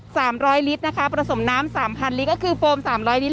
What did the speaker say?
ร้อยลิตรนะคะผสมน้ำสามพันลิตรก็คือโฟมสามร้อยลิต